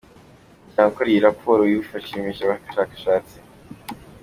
Umuryango ukora iyi raporo wifashishije abashakashatsi.